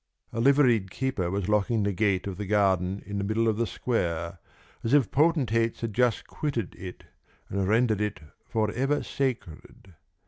A liveried keeper was locking the gate of the garden in the middle of the square as if potentates had just quitted it and rendered it forever sacred.